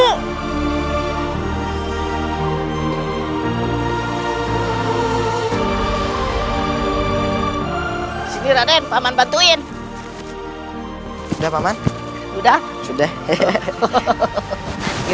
kalau adiknya juga sedikit